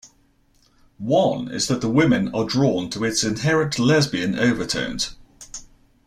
One is that the women are drawn to its inherent lesbian overtones.